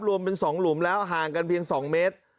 รวมเป็น๒หลุมแล้วห่างกันเพียง๒เมตร